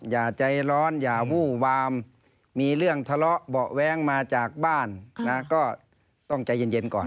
อย่าใจร้อนอย่าวู้วามมีเรื่องทะเลาะเบาะแว้งมาจากบ้านนะก็ต้องใจเย็นก่อน